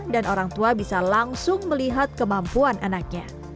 dan orang tua bisa langsung melihat kemampuan anaknya